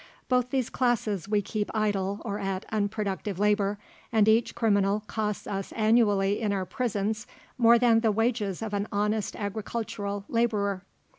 Both these classes we keep idle or at unproductive labour, and each criminal costs us annually in our prisons more than the wages of an honest agricultural labourer.